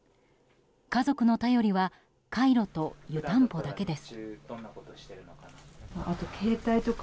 家族の頼りはカイロと湯たんぽだけです。